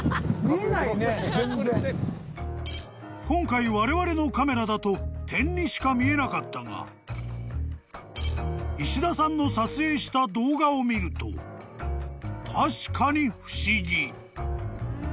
［今回われわれのカメラだと点にしか見えなかったが石田さんの撮影した動画を見ると確かに不思議］